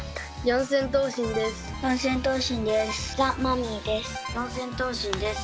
四千頭身です。